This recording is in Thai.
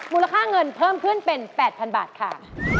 มูลค่าเงินเพิ่มขึ้นเป็น๘๐๐๐บาทค่ะ